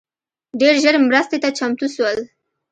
ډېر ژر مرستي ته چمتو سول